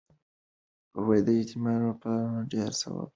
د یتیمانو پالنه ډېر ثواب لري.